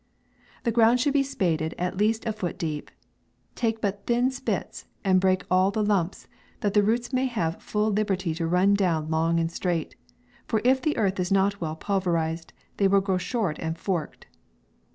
The ground should be spaded at least a foot deep. Take but thin spits, and break all the lumps, that the roots may have full liberty to run down long and strait ; for if the earth is not well pulverized, they will grow short and forked.